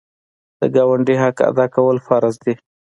د ګاونډي حق ادا کول فرض دي.